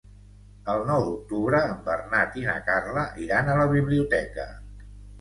El nou d'octubre en Bernat i na Carla iran a la biblioteca.